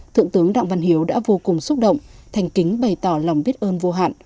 thượng tướng đặng văn hiếu đã vô cùng xúc động thành kính bày tỏ lòng biết ơn vô hạn